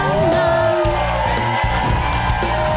เกมรับจำนำ